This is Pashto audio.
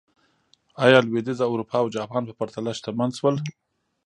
ایا لوېدیځه اروپا او جاپان په پرتله شتمن شول.